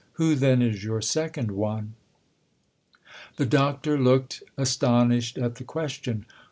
Who then is your second one ?" The Doctor looked astonished at the question.